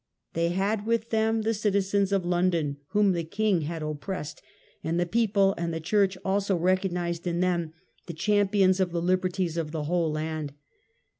They had with them the citizens of London, whom the king had oppressed, and the people and the church also recognized in them the champions of the liberties of the whole land.